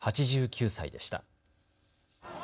８９歳でした。